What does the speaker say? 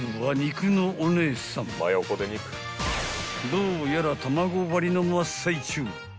［どうやら卵割りの真っ最中］